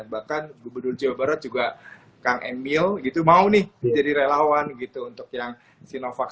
bahkan gubernur jawa barat juga kang emil gitu mau nih jadi relawan gitu untuk yang sinovac